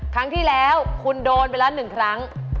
ตอนที่แล้วคุณโดนไปละ๑ครั้ง